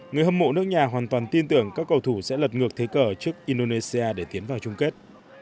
người hâm mộ nước nhà hoàn toàn tin tưởng các cầu thủ sẽ lật ngược thế cờ trước indonesia để tiến vào chung kết